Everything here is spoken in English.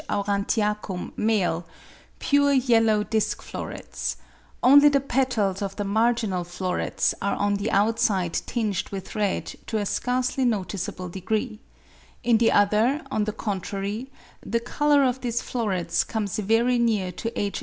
aurantiac^l,m $ pure yellow disc florets ; only the petals of the marginal florets are on the outside tinged with red to a scarcely noticeable degree : in the other on the contrary the colour of these florets comes very near to H.